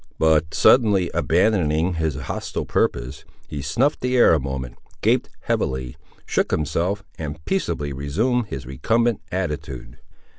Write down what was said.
But, suddenly abandoning his hostile purpose, he snuffed the air a moment, gaped heavily, shook himself, and peaceably resumed his recumbent attitude.